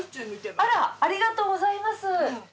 ありがとうございます。